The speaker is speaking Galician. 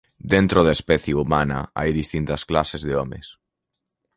Dentro da especie humana hai distintas "clases" de homes.